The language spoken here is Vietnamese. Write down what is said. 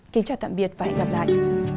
kính chào tạm biệt và hẹn gặp lại